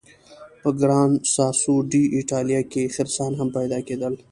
په ګران ساسو ډي ایټالیا کې خرسان هم پیدا کېدل.